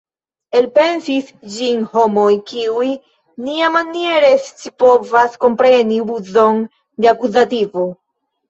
Elpensis ĝin homoj kiuj neniamaniere scipovas kompreni uzon de akuzativo.